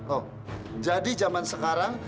oh jadi zaman sekarang